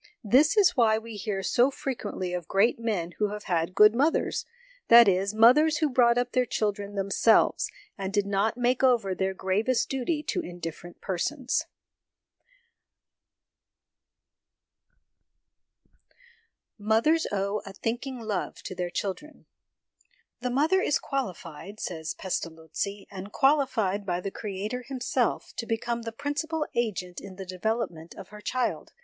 This is why we hear so frequently of great men who have had good mothers that is, mothers who brought up their children themselves, and did not make over their gravest duty to indifferent persons. Mothers owe ' a thinking love ' to their Children. " The mother is qualified," says Pesta lozzi, "and qualified by the Creator Himself, to become the principal agent in the development of her child ;...